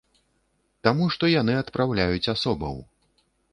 Таму што яны адпраўляюць асобаў.